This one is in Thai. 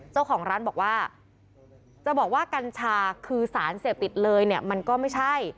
เจ้าของร้านบอกว่าจะบอกว่ากัญชาคือสารเสพติดเลยเนี่ยมันก็ไม่ใช่